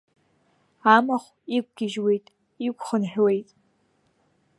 Амахә иқәгьежьуеит-иқәхынҳәуеит.